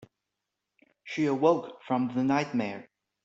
She awoke from the nightmare.